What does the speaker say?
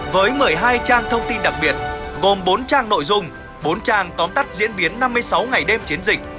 với một mươi hai trang thông tin đặc biệt gồm bốn trang nội dung bốn trang tóm tắt diễn biến năm mươi sáu ngày đêm chiến dịch